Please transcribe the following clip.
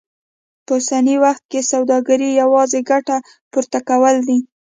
په اوسني وخت کې سوداګري يوازې ګټه پورته کول دي.